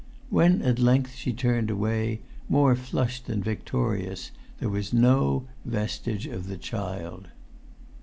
When at length she turned away, more flushed than victorious, there was no vestige of the child.